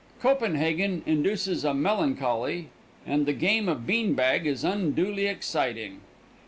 Copenhagen induces a melancholy, and the game of bean bag is unduly exciting.